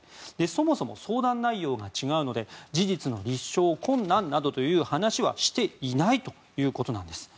そもそも、相談内容が違うので事実の立証困難などという話はしていないということです。